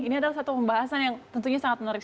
ini adalah satu pembahasan yang tentunya sangat menarik